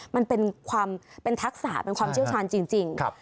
มันเป็นความเป็นทักษะเป็นความเชี่ยวชาญจริง